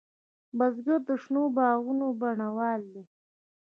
بزګر د شنو باغونو بڼوال دی